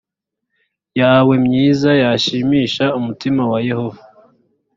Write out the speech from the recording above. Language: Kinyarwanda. yawe myiza yashimisha umutima wa yehova